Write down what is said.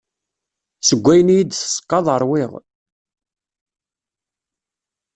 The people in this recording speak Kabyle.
Seg wayen i yi-d teseqqaḍ ṛwiɣ.